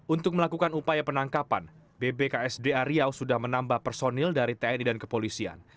untuk melakukan upaya penangkapan bbksda riau sudah menambah personil dari tni dan kepolisian